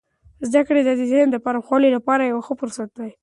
زده کړه د ذهن د پراخوالي لپاره یو ښه فرصت دی.